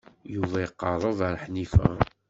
Yuba iqerreb ar Ḥnifa.